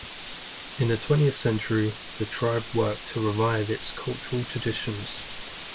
In the twentieth century, the tribe worked to revive its cultural traditions.